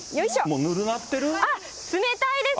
もう、あっ、冷たいです。